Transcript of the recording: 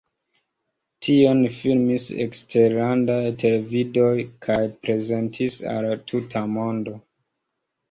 Tion filmis eksterlandaj televidoj kaj prezentis al la tuta mondo.